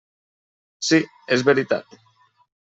Sí, és veritat.